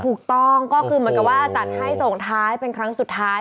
ถูกต้องก็คือเหมือนกับว่าจัดให้ส่งท้ายเป็นครั้งสุดท้าย